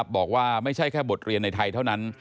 บอกว่าไม่ใช่แค่บทเรียนในไทยเท่านั้น